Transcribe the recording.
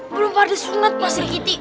belum pada sunat pak skiti